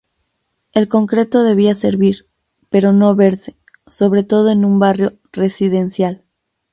El concreto debía servir, pero no verse, sobre todo en un barrio residencial.